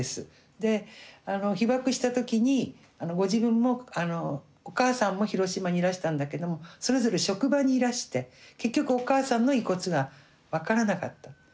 で被爆した時にご自分もお母さんも広島にいらしたんだけどもそれぞれ職場にいらして結局お母さんの遺骨が分からなかった。